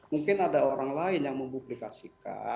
mungkin ada orang lain yang mempublikasikan